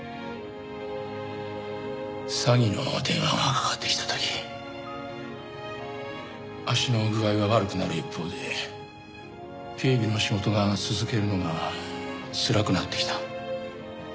詐欺の電話がかかってきた時足の具合は悪くなる一方で警備の仕事を続けるのがつらくなってきた。